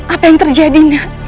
apa yang terjadi nak